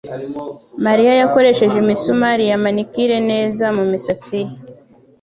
Mariya yakoresheje imisumari ya manicure neza mumisatsi ye.